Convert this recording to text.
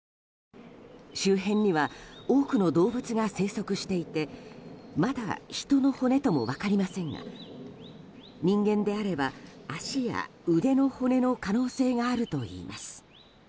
周辺には多くの動物が生息していてまだ人の骨とも分かりませんが人間であれば、足や腕の骨の可能性があるといいます。